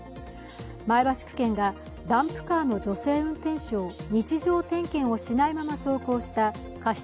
前橋区検がダンプカーの女性運転手を日常点検をしないまま走行した過失